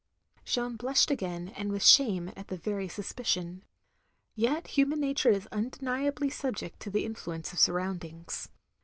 Jeanne blushed again, and with shame, at the very suspicion. Yet human nature is tmddniably subject to the influence of surrotmdings.